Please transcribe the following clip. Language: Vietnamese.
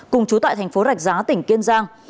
cùng chú tại thành phố rạch giá tỉnh kiên giang